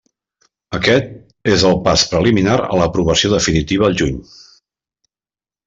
Aquest és el pas preliminar a l'aprovació definitiva el juny.